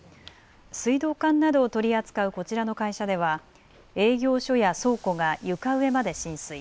水道管などを取り扱うこちらの会社では営業所や倉庫が床上まで浸水。